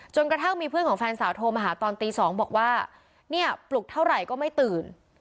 กระทั่งมีเพื่อนของแฟนสาวโทรมาหาตอนตี๒บอกว่าเนี่ยปลุกเท่าไหร่ก็ไม่ตื่น